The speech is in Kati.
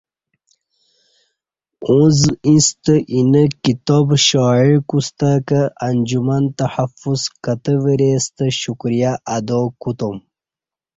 اُݩڅ ایݩستہ اینہ کتابہ شائع کوستہ کہ انجمن تحفظ کتہ ورے ستہ شکریہ ادا کوتم